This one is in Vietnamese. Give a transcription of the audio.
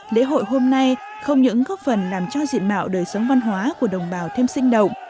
lễ hội hôm nay không những góp phần làm cho diện mạo đời sống văn hóa của đồng bào thêm sinh động